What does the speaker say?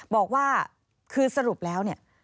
บอกว่าคือสรุปแล้วเนี่ย